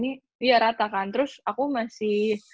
iya rata kan terus aku masih